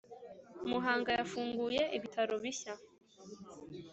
Muhanga yafunguye ibitaro bishya